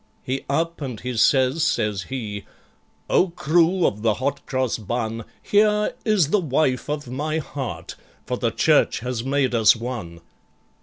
He up, and he says, says he, "O crew of the Hot Cross Bun, Here is the wife of my heart, for the Church has made us one!"